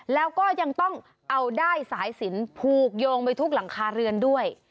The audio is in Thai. แล้วก็ยังต้องเอาได้สายสินผูกโยงไปทุกหลังคาเรือนด้วย